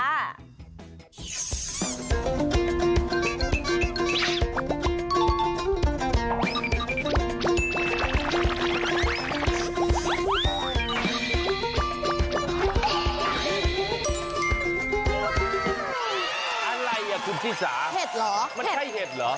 อะไรอ่ะคุณชิสาเห็ดเหรอมันใช่เห็ดเหรอ